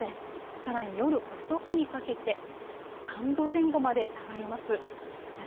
さらに夜遅くにかけて３度前後まで下がります。